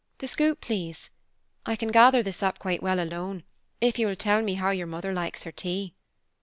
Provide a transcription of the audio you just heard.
The scoop, please. I can gather this up quite well alone, if you will tell me how your mother likes her tea."